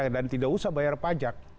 dan tidak usah bayar pajak